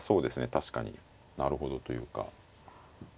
確かになるほどというか。